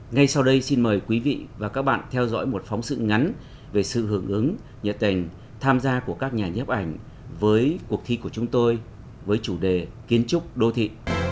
ngay sau đây xin mời quý vị và các bạn theo dõi một phóng sự ngắn về sự hưởng ứng nhiệt tình tham gia của các nhà nhấp ảnh với cuộc thi của chúng tôi với chủ đề kiến trúc đô thị